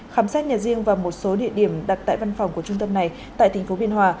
khám xét nhà riêng và một số địa điểm đặt tại văn phòng của trung tâm này tại tp biên hòa